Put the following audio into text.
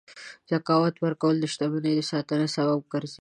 زکات ورکول د شتمنۍ د ساتنې سبب ګرځي.